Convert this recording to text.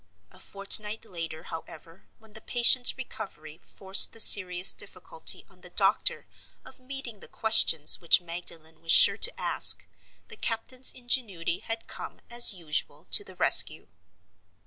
A fortnight later, however, when the patient's recovery forced the serious difficulty on the doctor of meeting the questions which Magdalen was sure to ask, the captain's ingenuity had come, as usual, to the rescue.